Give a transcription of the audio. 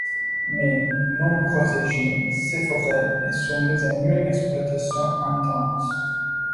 Mais, non protégée, cette forêt est soumise à une exploitation intense.